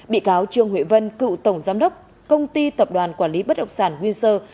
bị cáo trương huệ vân cựu tổng giám đốc công ty tập đoàn quản lý bất động sản windsor